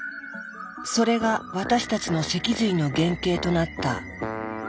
それが私たちの脊髄の原型となった。